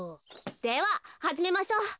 でははじめましょう。